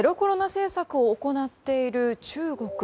政策を行っている中国。